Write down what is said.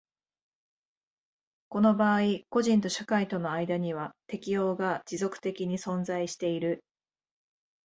この場合個人と社会との間には適応が持続的に存在している。